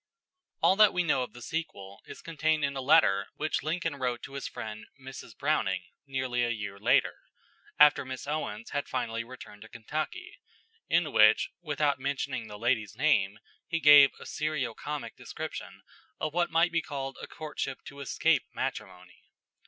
All that we know of the sequel is contained in a letter which Lincoln wrote to his friend Mrs. Browning nearly a year later, after Miss Owens had finally returned to Kentucky, in which, without mentioning the lady's name, he gave a seriocomic description of what might be called a courtship to escape matrimony.